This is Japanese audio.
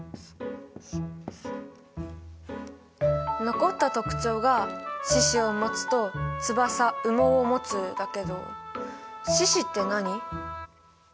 残った特徴が「四肢をもつ」と「翼・羽毛をもつ」だけど「四肢」って何？